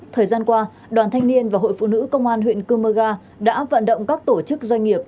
thời gian qua đoàn thanh niên và hội phụ nữ công an huyện chumaga đã vận động các tổ chức doanh nghiệp